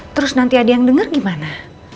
terus nanti ada yang denger gimana